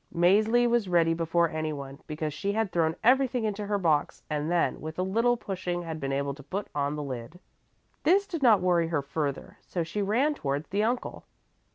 Mäzli was ready before anyone, because she had thrown everything into her box and then with a little pushing had been able to put on the lid. This did not worry her further, so she ran towards the uncle.